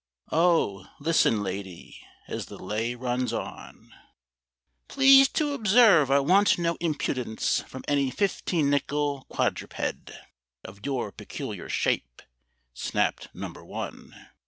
Oh, listen, lady, as the lay runs on! "Please to observe I want no impudence From any fifteen nickel quadruped Of your peculiar shape," snapped Number One.